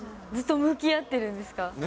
ずっと向き合ってるんですか。